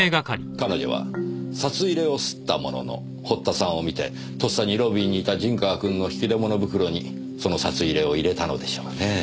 彼女は札入れを掏ったものの堀田さんを見てとっさにロビーにいた陣川君の引き出物袋にその札入れを入れたのでしょうねぇ。